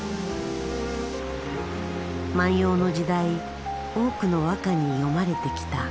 万葉の時代多くの和歌に詠まれてきた。